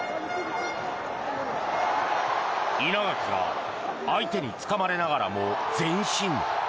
稲垣が相手につかまれながらも前進。